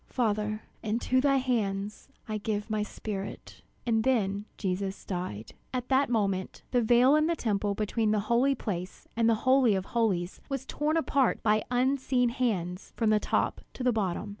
Father, into thy hands I give my spirit!" And then Jesus died. And at that moment, the veil in the Temple between the Holy Place and the Holy of Holies, was torn apart by unseen hands from the top to the bottom.